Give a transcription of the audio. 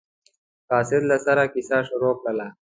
قاصد له سره کیسه شروع کړله.